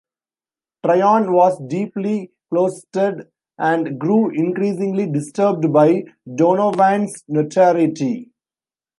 Tryon was deeply closeted and grew increasingly disturbed by Donovan's notoriety.